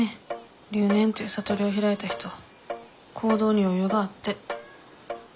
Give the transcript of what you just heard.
留年という悟りを開いた人は行動に余裕があって。